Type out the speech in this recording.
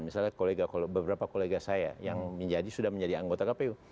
misalnya beberapa kolega saya yang sudah menjadi anggota kpu